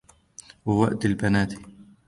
وَوَأْدِ الْبَنَاتِ